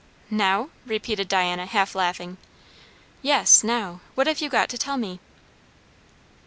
"Now?" repeated Diana, half laughing. "Yes, now; what have you got to tell me?"